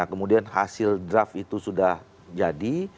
kemudian hasil draft itu sudah jadi